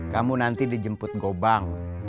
kamu nanti dijemput gobang